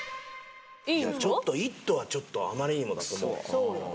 「イット」はちょっとあまりにもだと思う。